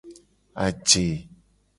Aje.